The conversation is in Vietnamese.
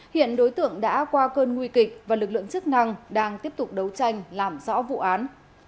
hiện đối tượng đã qua cơn nguy kịch và lực lượng chức năng đang tiếp tục đấu tranh làm rõ vụ án